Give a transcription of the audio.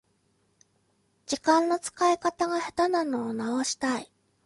時間の使い方が下手なのを直したい